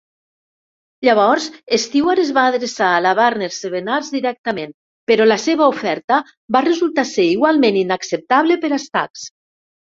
Llavors, Stewart es va adreçar a la Warner-Seven Arts directament, però la seva oferta va resultar ser igualment inacceptable per a Stax.